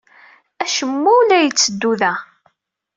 Acemma ur la yetteddu da.